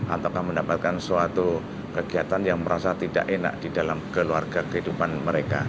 ataukah mendapatkan suatu kegiatan yang merasa tidak enak di dalam keluarga kehidupan mereka